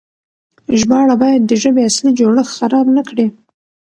ژباړه بايد د ژبې اصلي جوړښت خراب نه کړي.